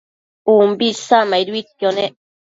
umbi isacmaiduidquio nec